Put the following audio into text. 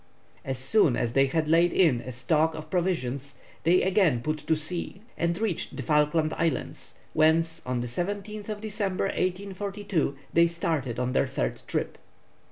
As soon as they had laid in a stock of provisions they again put to sea and reached the Falkland Islands, whence, on the 17th December, 1842, they started on their third trip.